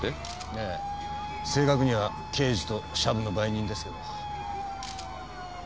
ええ正確には刑事とシャブの売人ですけど。